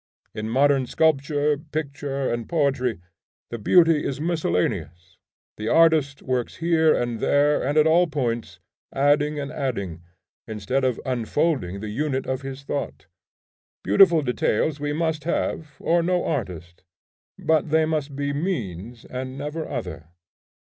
In modern sculpture, picture, and poetry, the beauty is miscellaneous; the artist works here and there and at all points, adding and adding, instead of unfolding the unit of his thought. Beautiful details we must have, or no artist; but they must be means and never other.